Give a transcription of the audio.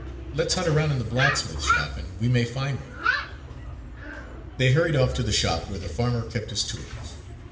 Let's hunt around in the blacksmith shop, and we may find one." They hurried off to the shop where the farmer kept his tools.